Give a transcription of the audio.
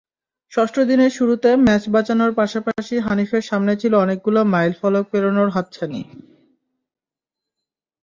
ষষ্ঠ দিনের শুরুতে ম্যাচ বাঁচানোর পাশাপাশি হানিফের সামনে ছিল অনেকগুলো মাইলফলক পেরোনোর হাতছানি।